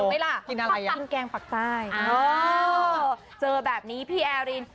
นี่นางไปกินอะไรลูกมั้ยล่ะกินแกงฝักใต้อ๋อเจอแบบนี้พี่แอริน